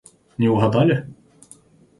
Не угадали?